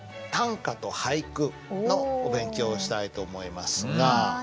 短歌と俳句のお勉強をしたいと思いますが。